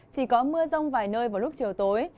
chỉ có mưa rông vài nơi vào lúc chiều tối